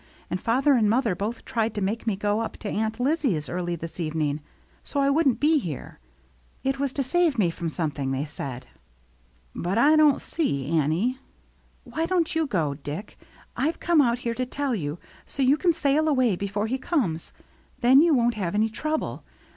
And father and mother both tried to make me go up to Aunt Lizzie's early this evening, so I wouldn't be here. It was to save me from something, they said.'* " But I don't see, Annie —"" Why don't you go, Dick. I've come out here to tell you, so you can sail away before he comes. Then you won't have any trouble.